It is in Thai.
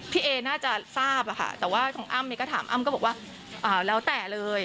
เอน่าจะทราบอะค่ะแต่ว่าของอ้ำเองก็ถามอ้ำก็บอกว่าแล้วแต่เลย